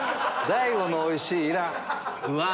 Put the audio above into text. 大悟の「おいし」いらん。